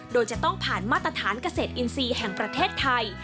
โดยจะต้องผ่านมาตรฐานเกษตรอินทรีย์แห่งประเทศไทย